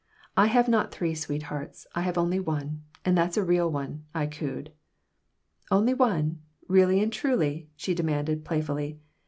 "I have not three sweethearts. I have only one, and that's a real one," I cooed "Only one? Really and truly?" she demanded, playfully.